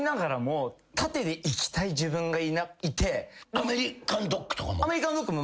アメリカンドッグとかも？